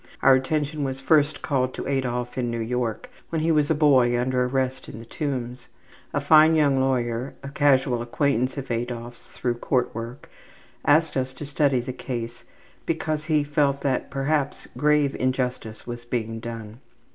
Our attention was first called to Adolf in New York, when he was a boy under arrest in the Tombs. A fine young lawyer, a casual acquaintance of Adolf's through court work, asked us to study the case because he felt that perhaps grave injustice was being done.